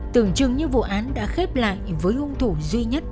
tưởng chừng như vụ án đã khép lại với hung thủ duy nhất